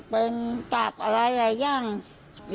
เป็นมะเร็งเป็นตัดอะไรอย่างนี้